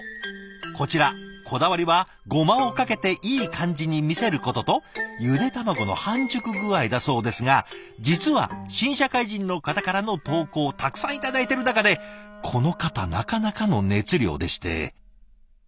こちらこだわりはゴマをかけていい感じに見せることとゆで卵の半熟具合だそうですが実は新社会人の方からの投稿たくさん頂いてる中でこの方なかなかの熱量でして。